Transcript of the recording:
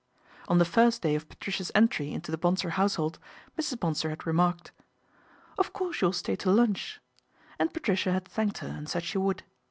On the first day of Patricia's entry into the Bonsor household, Mrs. Bonsor had remarked, " Of course you will stay to lunch," and Patricia had thanked her and said she would.